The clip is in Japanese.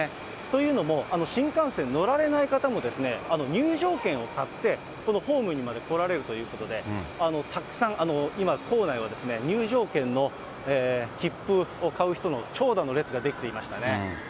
というのも、新幹線乗られない方も、入場券を買って、このホームにまで来られるということで、たくさん、今、構内は入場券の切符を買う人の長蛇の列が出来ていましたね。